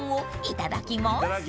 いただきます。